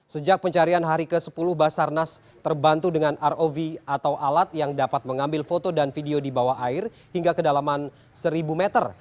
sejak pencarian hari ke sepuluh basarnas terbantu dengan rov atau alat yang dapat mengambil foto dan video di bawah air hingga kedalaman seribu meter